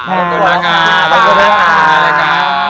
ขอบคุณมากครับขอบคุณมากครับค่ะ